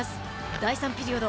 第３ピリオド。